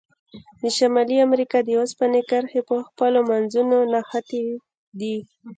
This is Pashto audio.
د شمالي امریکا د اوسپنې کرښې په خپلو منځونو نښتي دي.